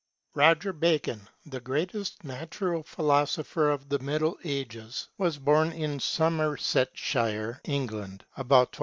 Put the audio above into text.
[ROGER BACON, the greatest natural philosopher of the Middle Ages, wa born in Somersetshire, England, about 1214.